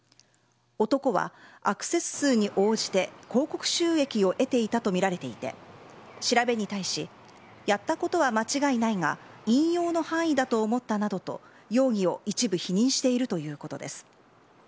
男はアクセス数に応じて広告収益を得ていたとみられていて調べに対しやったことは間違いないが引用の範囲だと思ったなどと容疑を一部否認しているということです。